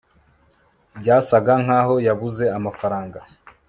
byasaga nkaho yabuze amafaranga